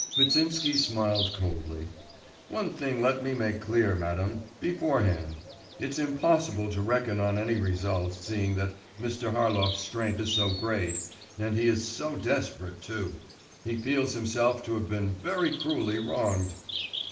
Kvitsinsky smiled coldly. 'One thing let me make clear, madam, beforehand; it's impossible to reckon on any result, seeing that Mr. Harlov's strength is so great, and he is so desperate too; he feels himself to have been very cruelly wronged!